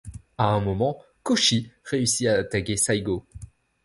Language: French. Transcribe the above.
À un moment, Koshi réussit à attaquer Saigo.